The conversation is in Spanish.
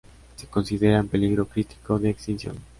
Se considera en peligro crítico de extinción.